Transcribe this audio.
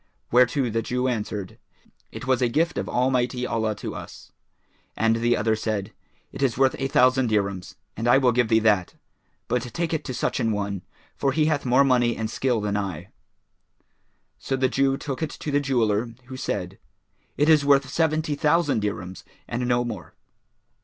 whereto the Jew answered, "It was a gift of Almighty Allah to us," and the other said, "It is worth a thousand dirhams and I will give thee that; but take it to such an one, for he hath more money and skill than I." So the Jew took it to the jeweller, who said, "It is worth seventy thousand dirhams and no more."